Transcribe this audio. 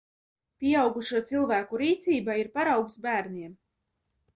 Pieaugušo cilvēku rīcība ir paraugs bērniem.